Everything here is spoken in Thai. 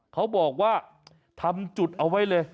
เขาบอกว่าทำจุดเอาไว้เลย